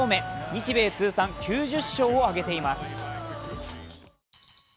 日米通算９０勝を挙げています。